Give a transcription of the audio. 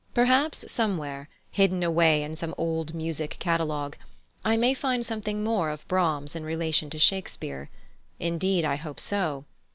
Perhaps somewhere, hidden away in some old music catalogue, I may find something more of Brahms in relation to Shakespeare. Indeed, I hope so.